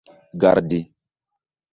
gardi